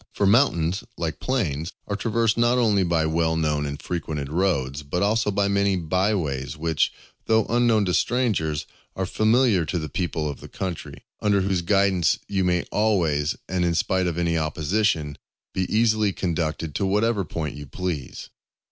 For mountains, like plains, are traversed not only by well known and frequented roads, but also by many by ways, which, though unknown to strangers, are familiar to the people of the country, under whose guidance you may always, and in spite of any opposition, be easily conducted to whatever point you please.